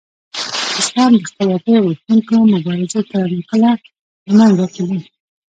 که څه هم د خپلواکۍ غوښتونکو مبارزې کله ناکله له منځه تللې.